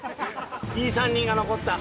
いい３人が残った。